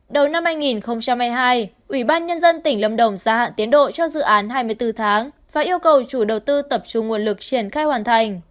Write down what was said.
đầu năm hai nghìn hai mươi hai ủy ban nhân dân tỉnh lâm đồng gia hạn tiến độ cho dự án hai mươi bốn tháng và yêu cầu chủ đầu tư tập trung nguồn lực triển khai hoàn thành